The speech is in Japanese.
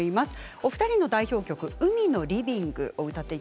お二人の代表曲「海のリビング」です。